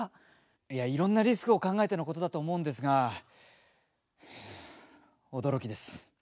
いやいろんなリスクを考えてのことだと思うんですが驚きです。